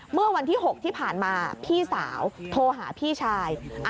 เมื่อวันที่๖ที่ผ่านมาพี่สาวโทรหาพี่ชาย